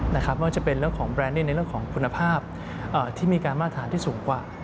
ไม่ว่าจะเป็นเรื่องของแบรนดนี่ในเรื่องของคุณภาพที่มีการมาตรฐานที่สูงกว่า